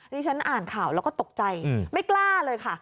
ที่ฉันอ่านข่าวแล้วก็ตกใจไม่กล้าเลยค่ะ